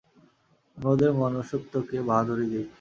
আমি ওদের মানুষ্যত্বকে বাহাদুরি দিই।